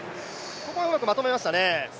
ここはうまくまとめましたね。